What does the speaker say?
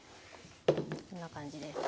こんな感じです。